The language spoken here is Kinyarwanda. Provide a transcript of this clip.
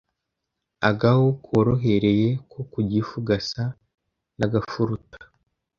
Agahu korohereye ko ku gifu gasa n’agafuruta